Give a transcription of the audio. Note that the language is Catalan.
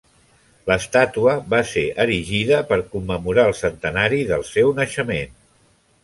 L'estàtua va ser erigida per commemorar el centenari del seu naixement.